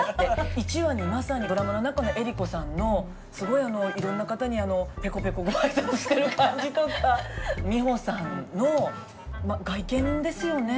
１話にまさにドラマの中の江里子さんのすごいいろんな方にペコペコご挨拶してる感じとか美穂さんの外見ですよね。